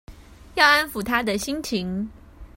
要安撫她的心情